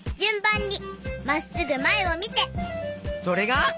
それが。